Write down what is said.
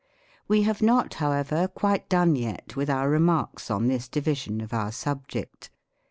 We have not, however, quite done yet with our remarks on this division of our sub ject.